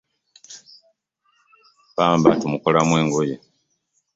Ppamba tumukolamu engoye.